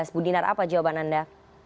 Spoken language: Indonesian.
bu dinar apa jawaban anda